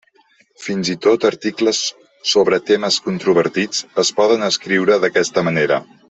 Fins i tot articles sobre temes controvertits es poden escriure d'aquesta manera.